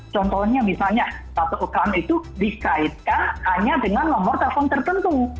contohnya misalnya satu account itu dikaitkan hanya dengan nomor telepon tertentu